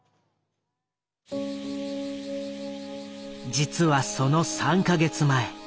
実はその３か月前。